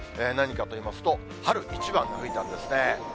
何かといいますと、春一番が吹いたんですね。